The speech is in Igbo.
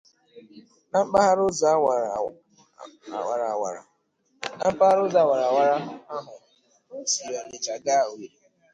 na mpaghara ụzọ awara awara ahụ siri Ọnịcha gaa Owerri.